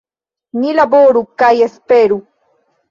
Ni laboru kaj esperu.